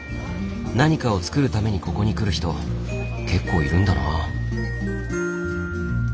何かを作るためにここに来る人結構いるんだな。